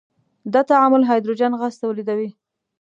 دا تعامل هایدروجن غاز تولیدوي.